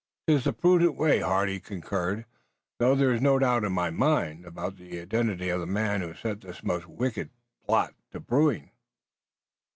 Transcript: "'Tis the prudent way," Hardy concurred, "though there is no doubt in my mind about the identity of the man who set this most wicked pot to brewing."